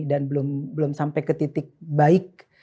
dan belum sampai ke titik baik